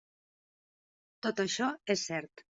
Tot això és cert.